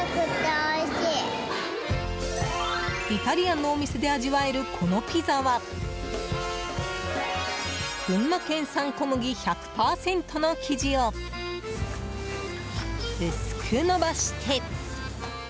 イタリアンのお店で味わえるこのピザは群馬県産小麦１００％の生地を薄く伸ばして。